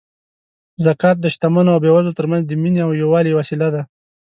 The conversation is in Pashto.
زکات د شتمنو او بېوزلو ترمنځ د مینې او یووالي وسیله ده.